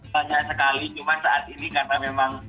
banyak sekali cuma saat ini karena memang